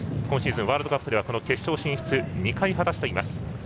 今シーズン、ワールドカップでは決勝進出を２回果たしています。